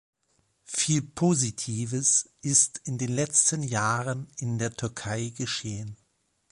Viel Positives ist in den letzten Jahren in der Türkei geschehen.